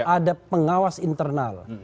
ada pengawas internal